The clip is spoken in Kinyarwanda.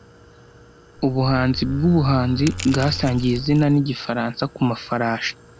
Ubuhanzi bwubuhanzi bwasangiye izina nigifaransa kumafarashi